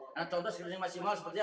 karena contoh screening maksimal sebenarnya